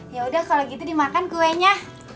ya udah kalau gitu dimakan kuenya